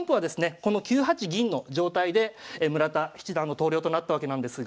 この９八銀の状態で村田七段の投了となったわけなんですが。